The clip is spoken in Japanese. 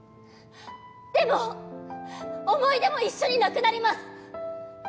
でも思い出も一緒になくなります。